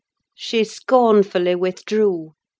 She scornfully withdrew.